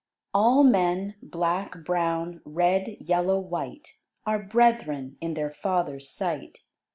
ALL men, black, brown, red, yellow, white Are brethren in their Father's sight.